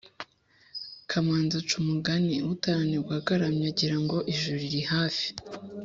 kamanzi aca umugani“utaranigwa agaramye agira ngo ijuru riri hafi.